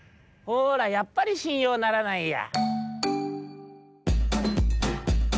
「ほらやっぱりしんようならないや」。